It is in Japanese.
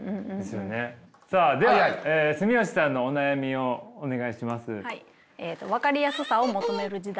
さあでは住吉さんのお悩みをお願いします。